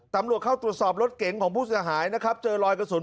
ตำรวจเข้าตรวจสอบรถเก๋งของผู้เสียหายนะครับเจอรอยกระสุน